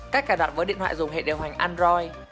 cách cài đặt với điện thoại dùng hệ điều hành android